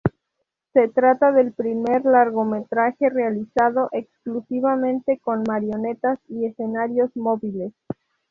Se trata del primer largometraje realizado exclusivamente con marionetas y escenarios móviles.